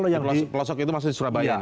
jadi pelosok itu masih di surabaya ini